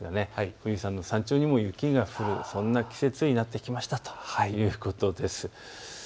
富士山の山頂にも雪が降る、そんな季節になってきましたということです。